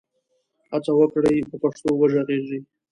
هڅه وکړئ په پښتو وږغېږئ.